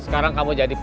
tidak ada duit